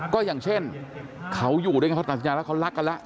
ก็อย่างเช่นเขาอยู่ด้วยกันเขาตัดสินใจแล้วเขารักกันแล้ว